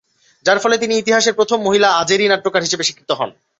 যার ফলে তিনি ইতিহাসের প্রথম মহিলা আজেরি নাট্যকার হিসাবে স্বীকৃত হন।